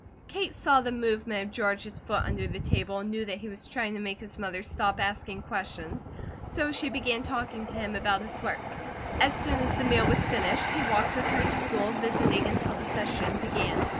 Kate saw the movement of George's foot under the table, and knew that he was trying to make his mother stop asking questions; so she began talking to him about his work. As soon as the meal was finished he walked with her to school, visiting until the session began.